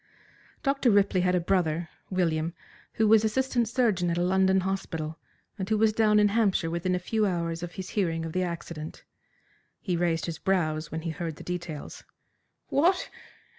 Dr. Ripley had a brother, William, who was assistant surgeon at a London hospital, and who was down in Hampshire within a few hours of his hearing of the accident. He raised his brows when he heard the details. "What!